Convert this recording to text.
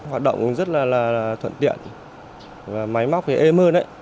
hoạt động rất là thuận tiện máy móc thì êm hơn